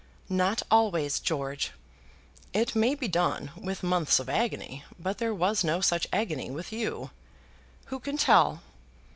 "Not always, George." "It may be done with months of agony; but there was no such agony with you." "Who can tell?"